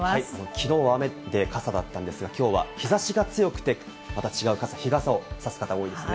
昨日は雨で傘だったんですが、今日は日差しが強くて、また違う傘、日傘をさす方が多いですね。